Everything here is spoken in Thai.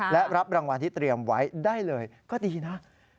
และรับรางวัลที่เตรียมไว้ได้เลยก็ดีนะ